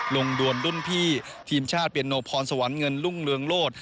ดวนรุ่นพี่ทีมชาติเปียโนพรสวรรค์เงินรุ่งเรืองโลศ